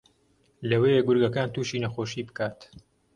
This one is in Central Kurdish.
لەوەیە گورگەکان تووشی نەخۆشی بکات